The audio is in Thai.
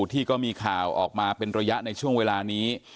ที่ก็มีข่าวออกมาเป็นระยะในช่วงเวลานี้